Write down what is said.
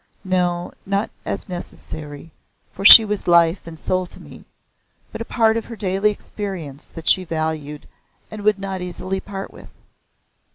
No not as necessary, for she was life and soul to me, but a part of her daily experience that she valued and would not easily part with.